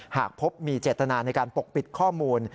หากพบมีเจตนาในการปกปิดข้อมูล